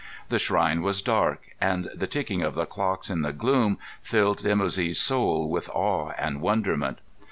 The shrine was dark, and the ticking of the clocks in the gloom filled Dimoussi's soul with awe and wonderment.